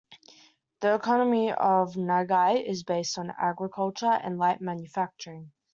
The economy of Nagai is based on agriculture and light manufacturing.